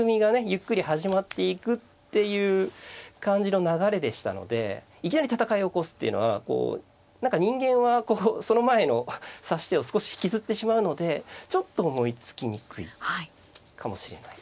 ゆっくり始まっていくっていう感じの流れでしたのでいきなり戦いを起こすっていうのは何か人間はその前の指し手を少し引きずってしまうのでちょっと思いつきにくいかもしれない。